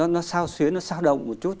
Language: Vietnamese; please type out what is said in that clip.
nó sao xuyến nó sao động một chút